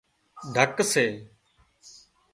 ڍڪ سي